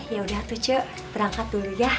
yaudah atuh cu berangkat dulu yah